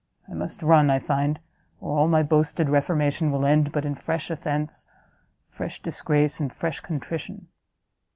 I must run, I find, or all my boasted reformation will end but in fresh offence, fresh disgrace, and fresh contrition!